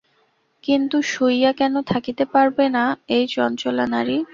কিন্তু শুইয়া কেন থাকিতে পারবে এই চঞ্চলা নারী?